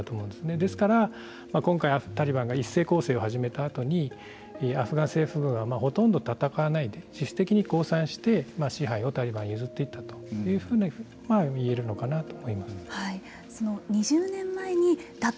ですから、今回タリバンが一斉攻勢を始めた後にアフガン政府がほとんど戦わないで自主的に降参して支配をタリバンに譲っていったと２０年前に打倒